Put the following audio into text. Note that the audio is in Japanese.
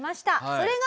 それが！